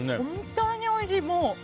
本当においしい。